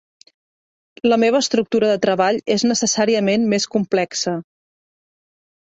La meva estructura de treball és necessàriament més complexa.